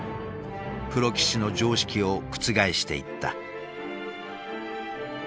プロ棋士の常識を覆していった。